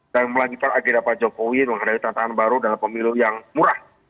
dan melanggipan agenda pak jokowi menghadapi tantangan baru dengan pemilu yang murah